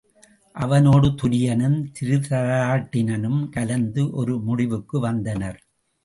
அவனோடு துரியனும் திருதராட்டி ரனும் கலந்து ஒரு முடிவுக்கு வந்தனர்.